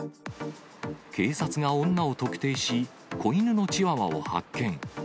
警察が女を特定し、子犬のチワワを発見。